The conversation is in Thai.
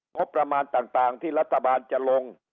งบประมาณต่างที่รัฐบาลจะลง